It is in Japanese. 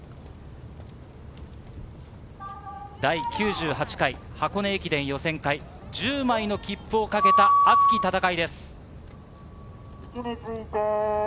第９８回箱根駅伝予選会、１０枚の切符を懸けた熱き戦いです。